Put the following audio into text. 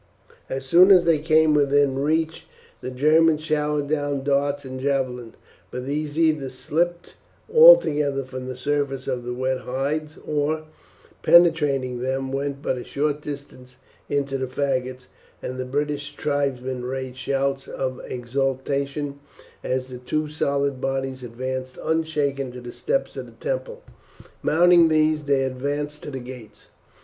As soon as they came within reach the Romans showered down darts and javelins; but these either slipped altogether from the surface of the wet hides, or, penetrating them, went but a short distance into the faggots; and the British tribesmen raised shouts of exultation as the two solid bodies advanced unshaken to the steps of the temple. Mounting these they advanced to the gates.